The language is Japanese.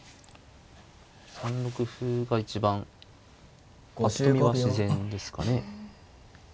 ３六歩が一番ぱっと見は自然ですかね。